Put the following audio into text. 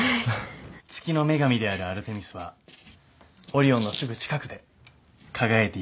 月の女神であるアルテミスはオリオンのすぐ近くで輝いていられるんです